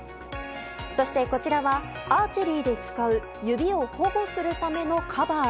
そして、こちらはアーチェリーで使う指を保護するためのカバー。